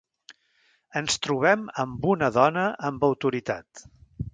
Ens trobem amb una dona amb autoritat.